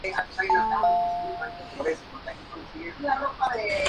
A continuación, gira hacia el oeste y sigue por las cataratas Billy.